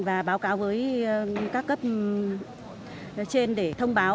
và báo cáo với các cấp trên để thông báo